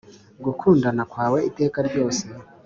gukundana kwawe iteka ryose.